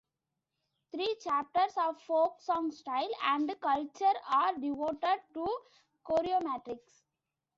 Three chapters of "Folk Song Style and Culture" are devoted to Choreometrics.